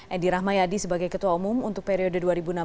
edi rahmayadi sebagai ketua umum untuk periode dua ribu enam belas dua ribu